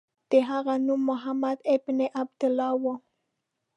د هغه نوم محمد بن عبدالله و.